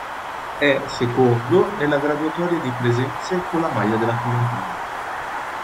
È secondo nella graduatoria di presenze con la maglia della Fiorentina.